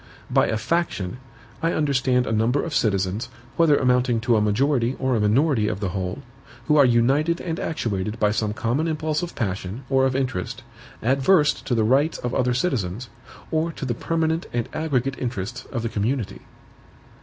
By a faction, I understand a number of citizens, whether amounting to a majority or a minority of the whole, who are united and actuated by some common impulse of passion, or of interest, adversed to the rights of other citizens, or to the permanent and aggregate interests of the community.